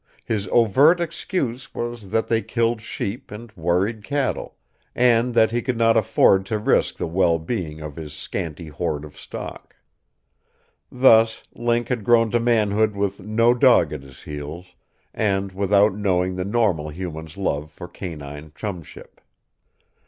His overt excuse was that they killed sheep and worried cattle, and that he could not afford to risk the well being of his scanty hoard of stock. Thus, Link had grown to manhood with no dog at his heels, and without knowing the normal human's love for canine chumship.